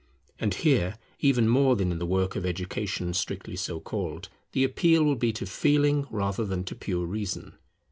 And here, even more than in the work of education strictly so called, the appeal will be to Feeling rather than to pure Reason.